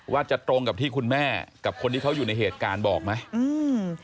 ว่าจะตรงกับที่คุณแม่กับคนที่เขาอยู่ในเหตุการณ์บอกไหมอืม